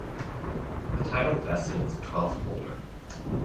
The title vests in its twelfth holder.